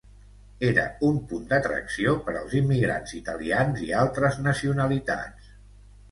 Era un punt d'atracció per als immigrants italians i altres nacionalitats.